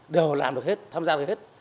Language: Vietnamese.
đều làm được hết tham gia được hết